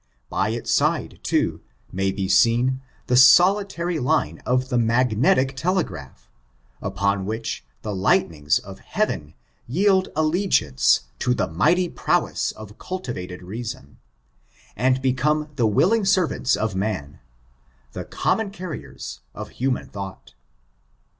By its side, too, may be seen the solitary line of the magnetic telegraph, upon whidi the li^tning^ of heaven yield alle^ance to the mi^ty prowess of cultivated reason, uid become the willing servants of man — the common carriers of human thought.